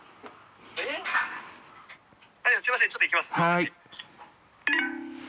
はい。